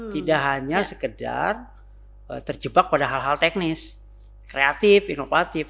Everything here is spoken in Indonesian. tidak hanya sekedar terjebak pada hal hal teknis kreatif inovatif